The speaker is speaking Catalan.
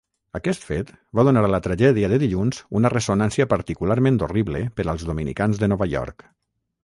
Aquest fet va donar a la tragèdia de dilluns una ressonància particularment horrible per als dominicans de Nova York.